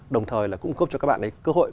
đồng thời là cung cấp cho các bạn ấy cơ hội